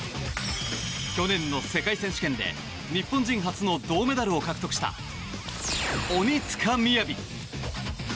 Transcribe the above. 去年の世界選手権で日本人初の銅メダルを獲得した鬼塚雅。